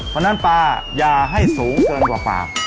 พรรดิอย่าให้สูงเกินกว่าฝาม